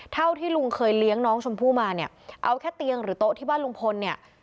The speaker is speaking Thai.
เท่าที่ลุงเคยเลี้ยงน้องชมพู่มาเนี่ยเอาแค่เตียงหรือโต๊ะที่บ้านลุงพลเนี่ย